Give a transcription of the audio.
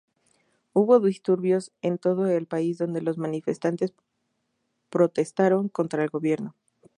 Hubo disturbios en todo el país donde los manifestantes protestaron contra el gobierno.